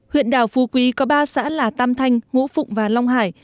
huyện đảo phu quý có ba xã là tam thanh ngũ phụng và long hải